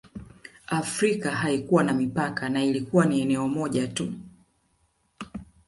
Afrika haikuwa na mipaka na ilikuwa ni eneo moja tu